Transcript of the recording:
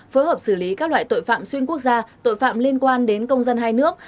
phối hợp xử lý các loại tội phạm xuyên quốc gia tội phạm liên quan đến công dân hai nước